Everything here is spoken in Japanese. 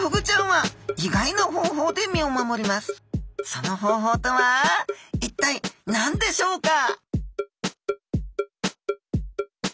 その方法とは一体何でしょうか？